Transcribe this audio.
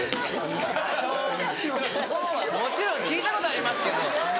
もちろん聞いたことありますけど・